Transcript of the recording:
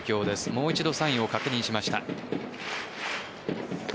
もう一度サインを確認しました。